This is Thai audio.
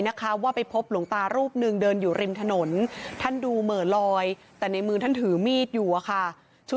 หลุมพ่อครับมีอะไรหรือเปล่าครับ